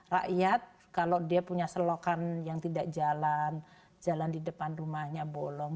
rakyat kalau dia punya selokan yang tidak jalan jalan di depan rumahnya bolong